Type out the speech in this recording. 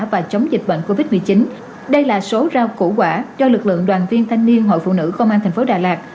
và chống dịch bệnh covid một mươi chín đây là số rau củ quả do lực lượng đoàn viên thanh niên hội phụ nữ công an tp đà lạt